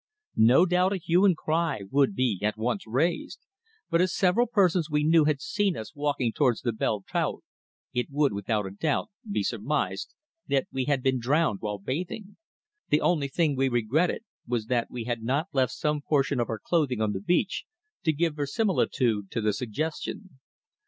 No doubt a hue and cry would be at once raised, but as several persons we knew had seen us walking towards the Belle Tout, it would, without a doubt, be surmised that we had been drowned while bathing. The only thing we regretted was that we had not left some portion of our clothing on the beach to give verisimilitude to the suggestion.